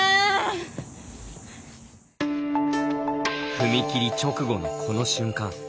踏み切り直後のこの瞬間。